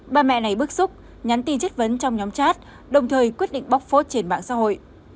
bà mẹ này bức xúc nhắn tin chất vấn trong nhóm chat đồng thời quyết định bóc phốt trên mạng xã hội